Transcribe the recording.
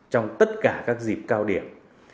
trong tất cả các dịp cao điểm